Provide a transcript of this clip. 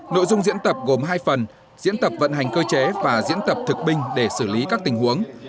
nội dung diễn tập gồm hai phần diễn tập vận hành cơ chế và diễn tập thực binh để xử lý các tình huống